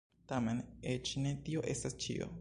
Tamen eĉ ne tio estas ĉio.